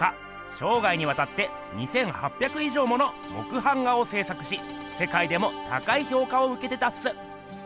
しょうがいにわたって２，８００いじょうもの木版画をせい作しせかいでも高いひょうかをうけてたっす。